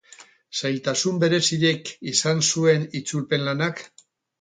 Zailtasun berezirik izan zuen itzulpen lanak?